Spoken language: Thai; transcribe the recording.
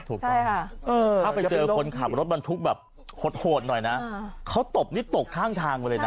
ถูกต้องถ้าไปเจอคนขับรถบรรทุกแบบโหดหน่อยนะเขาตบนี่ตกข้างทางไปเลยนะ